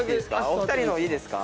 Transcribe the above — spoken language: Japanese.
お二人のいいですか？